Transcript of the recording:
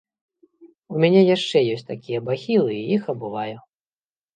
У мяне яшчэ ёсць такія бахілы, іх абуваю.